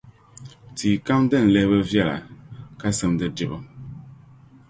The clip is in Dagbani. tia kam din lihibu viɛla ka simdi dibu.